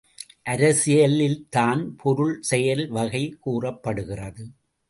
அரசியலில் தான் பொருள் செயல் வகை கூறப்படுகிறது.